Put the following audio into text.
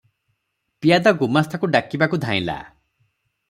ପିଆଦା ଗୁମାସ୍ତାକୁ ଡାକିବାକୁ ଧାଇଁଲା ।